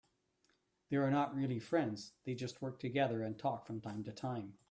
They are not really friends, they just work together and talk from time to time.